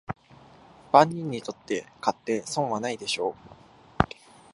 万人にとって買って損はないでしょう